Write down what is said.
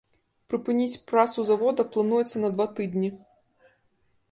Прыпыніць працу завода плануецца на два тыдні.